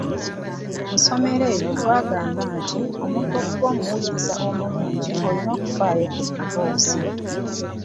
Mu ssomo eryo twagamba nti omuntu okuba omuwuliriza omulungi olina okufaayo ennyo ku ddoboozi.